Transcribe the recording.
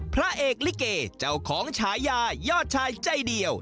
พระเอกลิเกเจ้าของฉายายอดชายใจเดียว